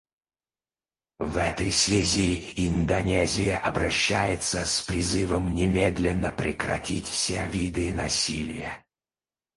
В этой связи Индонезия обращается с призывом немедленно прекратить все виды насилия.